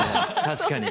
確かに。